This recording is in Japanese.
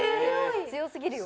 強すぎるよ。